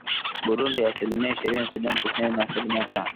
Burundi asilimia ishirini Sudan Kusini na asilimia tano